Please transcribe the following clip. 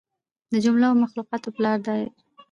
د جمله و مخلوقاتو پلار دى دا.